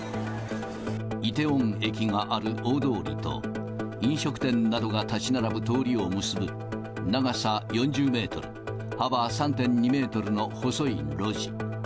イテウォン駅がある大通りと、飲食店などが建ち並ぶ通りを結ぶ長さ４０メートル、幅３．２メートルの細い路地。